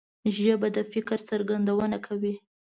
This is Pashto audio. ژبه د فکر څرګندونه کوي